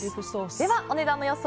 ではお値段の予想